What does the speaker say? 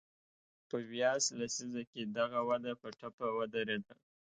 په ویاس لسیزه کې دغه وده په ټپه ودرېده.